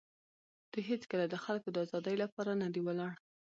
دوی هېڅکله د خلکو د آزادۍ لپاره نه دي ولاړ.